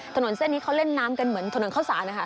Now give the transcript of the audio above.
ถนนเส้นนี้เขาเล่นน้ำกันเหมือนถนนเข้าสารนะคะ